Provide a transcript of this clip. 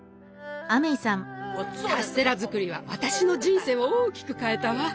カステラ作りは私の人生を大きく変えたわ。